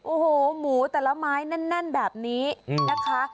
โอ้โหหมูแต่ละไม้แน่นแบบนี้นะคะ